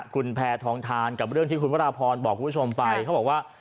คุณแพทองทานกับเรื่องที่คุณวราพรบอกคุณผู้ชมไปเขาบอกว่า